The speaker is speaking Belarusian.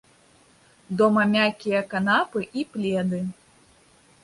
Дома мяккія канапы і пледы.